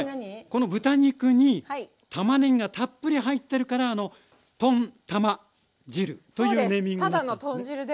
この豚肉にたまねぎがたっぷり入ってるからとんたま汁というネーミング。